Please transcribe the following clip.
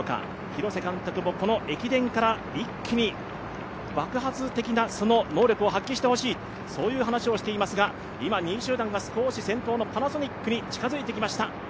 廣瀬監督も、この駅伝から一気に爆発的なその能力を発揮してほしいという話をしていますが今２位集団が少し先頭のパナソニックに近づいてきました。